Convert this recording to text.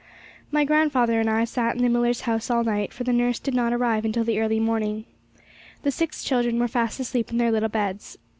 My grandfather and I sat in the Millars' house all night, for the nurse did not arrive until early in the morning. The six children were fast asleep in their little beds.